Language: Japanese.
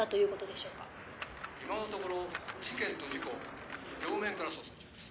「今のところ事件と事故両面から捜査中です」